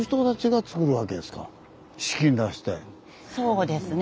そうですね。